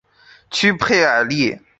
屈佩尔利。